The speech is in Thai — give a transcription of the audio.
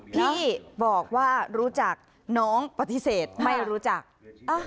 พี่บอกว่ารู้จักน้องปฏิเสธไม่รู้จักอ่ะ